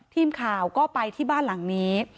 ทีมข่าวก็ไปที่บ้านหลังนี้